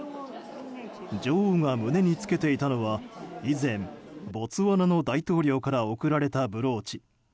女王が胸につけていたのは以前、ボツワナの大統領から贈られたブローチ。